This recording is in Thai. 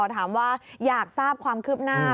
ถามว่าอยากทราบความคืบหน้า